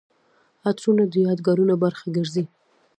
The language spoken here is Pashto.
عطرونه د یادګارونو برخه ګرځي.